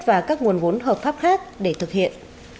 và các nguồn vốn hợp pháp khác để thực hiện